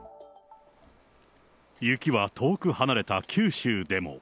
雪は遠く離れた九州でも。